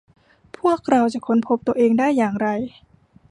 พวกเราจะค้นพบตัวเองได้อย่างไร